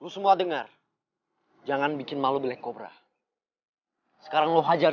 sekarang lu pada mau bubar atau gua hajar